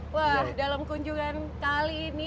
wah dalam kunjungan kali ini